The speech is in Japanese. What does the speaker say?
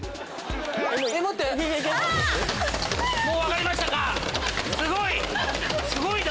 もう分かりましたかすごいな！